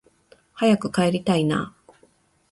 早く帰りたいなあ